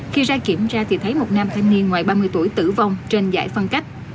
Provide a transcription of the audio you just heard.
khi ra kiểm tra thì thấy một nam thanh niên ngoài ba mươi tuổi tử vong trên giải phân cách